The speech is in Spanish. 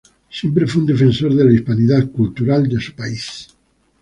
Siempre fue un defensor de la hispanidad cultural de su país.